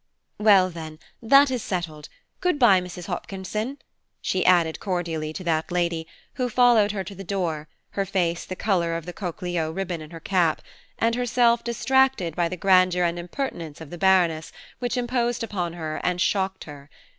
"Well, then, that is settled. Good bye, Mrs. Hopkinson," she said cordially to that lady, who followed her to the door, her face the colour of the coquelicot ribbon in her cap, and herself distracted by the grandeur and impertinence of the Baroness, which imposed upon her and shocked her.